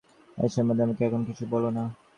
এ সম্বন্ধে আমাকে এখন কিছু বোলো না।